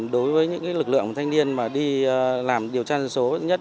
đối với những lực lượng thanh niên mà đi làm điều tra dân số nhất